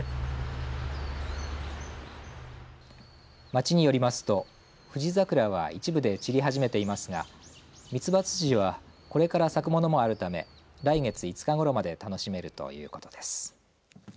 町によりますとフジザクラは一部で散り始めていますがミツバツツジはこれから咲くものもあるため来月５日ごろまで楽しめるということです。